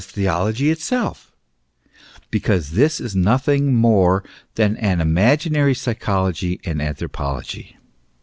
theology itself, because this is nothing more than an imaginary psychology and anthropology.